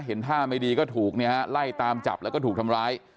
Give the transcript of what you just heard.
เห็นท่าไม่ดีก็ถูกเนี่ยฮะไล่ตามจับแล้วก็ถูกทำร้าย